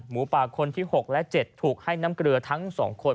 หมูป่าคนที่๖และ๗ถูกให้น้ำเกลือทั้ง๒คน